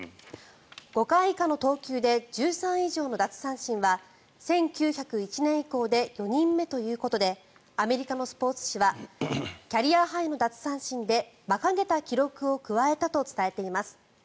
５回以下の投球で１３以上の奪三振は１９０１年以降で４人目ということでアメリカのスポーツ誌はキャリアハイの奪三振で馬鹿げた記録を加えたと伝えています。